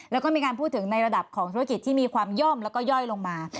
แล้วก็มีการพูดถึงในระดับของธุรกิจที่มีความย่อมแล้วก็ย่อยลงมา